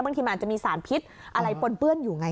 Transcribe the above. บางทีมันอาจจะมีสารพิษอะไรปนเปื้อนอยู่ไง